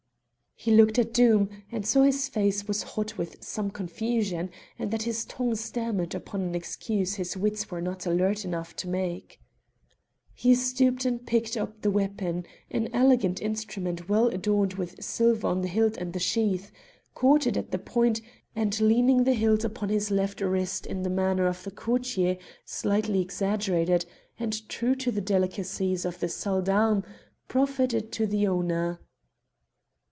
He looked at Doom, and saw his face was hot with some confusion, and that his tongue stammered upon an excuse his wits were not alert enough to make. He stooped and picked up the weapon an elegant instrument well adorned with silver on the hilt and sheath; caught it at the point, and, leaning the hilt upon his left wrist in the manner of the courtier slightly exaggerated, and true to the delicacies of the salle d'armes, proffered it to the owner.